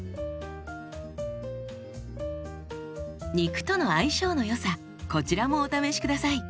肉との相性の良さこちらもお試し下さい。